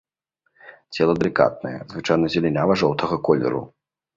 Цела далікатнае, звычайна зелянява-жоўтага колеру.